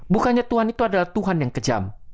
bukannya tuhan itu adalah tuhan yang kejam